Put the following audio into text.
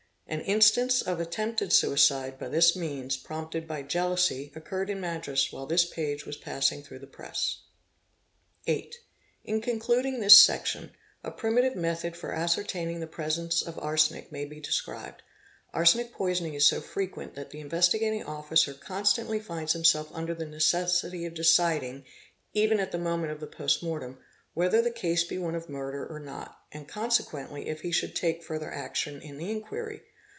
An instance of attempted suicide by this means, prompted by jealousy, occurred in Madras while this page was passing through the press. 8. In concluding this section, a primitive method for ascertaining the presence of arsenic may be described: arsenic poisoning is so fre quent that the Investigating Officer constantly finds himself under the necessity of deciding, even at the moment of the post mortem, whether the case be one of murder or not, and consequently if he should take further action in the inquiry.